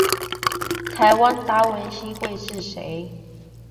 台灣達文西會是誰